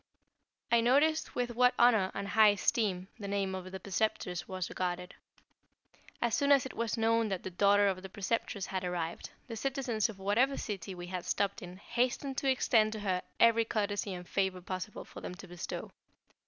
I noticed with what honor and high esteem the name of the Preceptress was regarded. As soon as it was known that the daughter of the Preceptress had arrived, the citizens of whatever city we had stopped in hastened to extend to her every courtesy and favor possible for them to bestow.